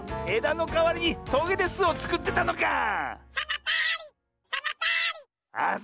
えだのかわりにトゲですをつくってたのかあ！